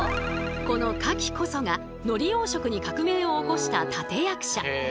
この牡蠣こそが海苔養殖に革命を起こした立て役者。